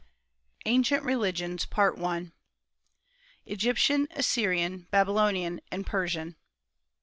ANCIENT RELIGIONS: EGYPTIAN, ASSYRIAN, BABYLONIAN, AND PERSIAN.